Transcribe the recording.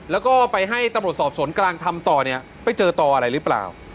แล้วก็ไปให้ตำรวจสอบสวนกลางทำต่อเนี่ยไปเจอต่ออะไรหรือเปล่า